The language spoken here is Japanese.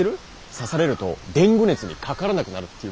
刺されるとデング熱にかからなくなるっていう